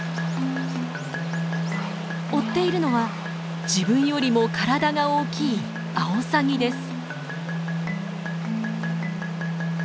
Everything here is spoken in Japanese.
追っているのは自分よりも体が大きいアオサギです。